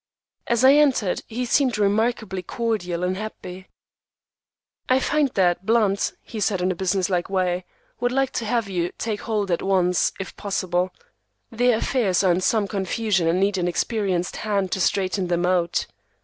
As I entered, he seemed remarkably cordial and happy. "I find that Blunt," he said in a business like way, "would like to have you take hold at once, if possible. Their affairs are in some confusion and need an experienced hand to straighten them out.